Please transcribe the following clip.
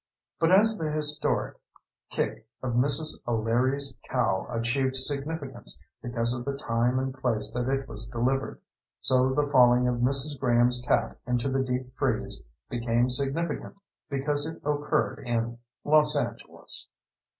But as the historic kick of Mrs. O'Leary's cow achieved significance because of the time and place that it was delivered, so the falling of Mrs. Graham's cat into the deep freeze became significant because it occurred in Los Angeles.